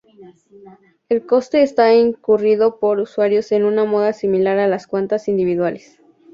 El coste está incurrido por usuario en una moda similar a las cuentas individuales.